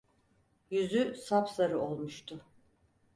Yüzü sapsarı olmuştu: